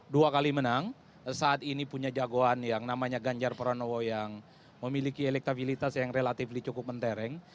dua kali menang saat ini punya jagoan yang namanya ganjar pranowo yang memiliki elektabilitas yang relatif cukup mentereng